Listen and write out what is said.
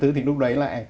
thì lúc đấy là